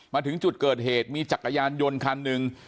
มาถึงจุดเกิดเหตุมีจักรยานยนต์คันหนึ่ง